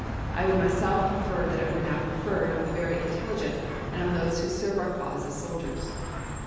I would myself prefer that it were now conferred on the very intel ligent, and on those who serve our cause as soldiers.